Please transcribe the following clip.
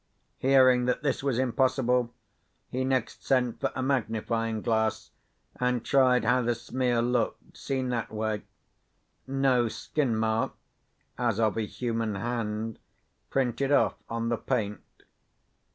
Hearing that this was impossible, he next sent for a magnifying glass, and tried how the smear looked, seen that way. No skin mark (as of a human hand) printed off on the paint.